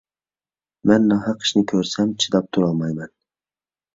مەن ناھەق ئىشنى كۆرسەم چىداپ تۇرالمايمەن.